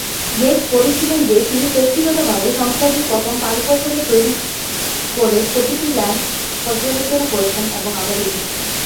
Gates বলেছিলেন যে তিনি ব্যক্তিগতভাবে সংস্থাটির প্রথম পাঁচ বছরে তৈরি কোডের প্রতিটি লাইন পর্যালোচনা করেছেন এবং আবার লিখেছিলেন।